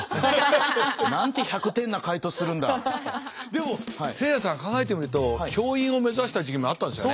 でもせいやさん考えてみると教員を目指した時期もあったんですよね？